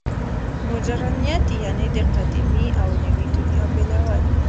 مډرنیت یعنې د قدیمې او نوې دنیا بېلول.